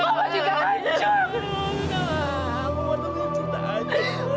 mama juga hancur